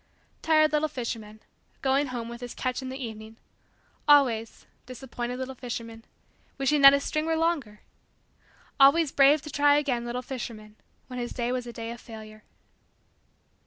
Tired little fisherman going home with his catch in the evening! Always disappointed little fisherman wishing that his string were longer! Always brave to try again little fisherman when his day was a day of failure!